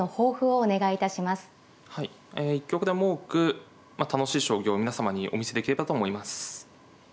はい一局でも多く楽しい将棋を皆様にお見せできればと思います。